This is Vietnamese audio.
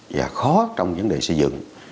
và khó trong vấn đề xây dựng